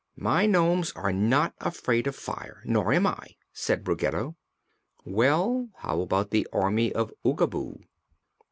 "My nomes are not afraid of fire, nor am I," said Ruggedo. "Well, how about the Army of Oogaboo?"